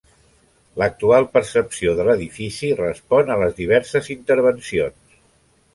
L'actual percepció de l'edifici respon a les diverses intervencions.